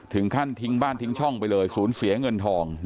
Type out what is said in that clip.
ถึงขั้นทิ้งบ้านทิ้งช่องไปเลยศูนย์เสียเงินทอง